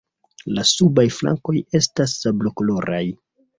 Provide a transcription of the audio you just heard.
La subaj flankoj estas sablokoloraj.